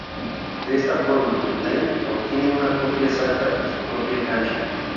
De esta forma, Lendl obtiene una copia exacta en su propia cancha.